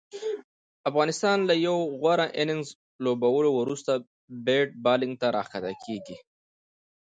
افغانستان له یو غوره اننګز لوبولو وروسته بیت بالینګ ته راښکته کیږي